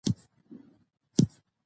افغانستان د آب وهوا کوربه دی.